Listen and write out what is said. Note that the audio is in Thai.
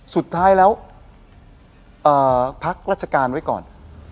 สุดท้ายแล้วพักราชการไว้ก่อน